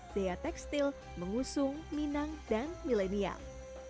zea textil mengusung minang dan millenial